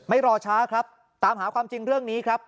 รอช้าครับตามหาความจริงเรื่องนี้ครับ